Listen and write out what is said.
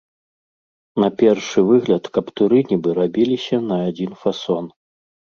На першы выгляд каптуры нібы рабіліся на адзін фасон.